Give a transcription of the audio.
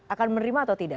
akan menerima atau tidak